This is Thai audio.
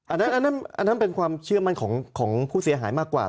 อันนั้นเป็นความเชื่อมั่นของผู้เสียหายมากกว่า